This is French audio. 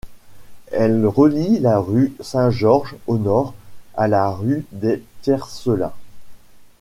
Elle relie la rue Saint-Georges, au nord, à la rue des Tiercelins.